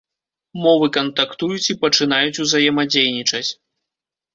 Мовы кантактуюць і пачынаюць узаемадзейнічаць.